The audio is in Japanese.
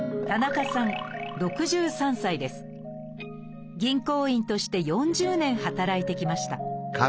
まずは銀行員として４０年働いてきました